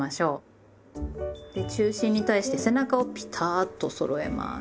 で中心に対して背中をピタッとそろえます。